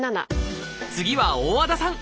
次は大和田さん。